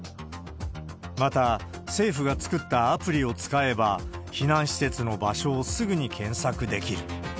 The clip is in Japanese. また、政府が作ったアプリを使えば、避難施設の場所をすぐに検索できる。